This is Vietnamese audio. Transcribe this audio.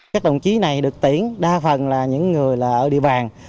các đồng chí này được tiễn đa phần là những người ở địa bàn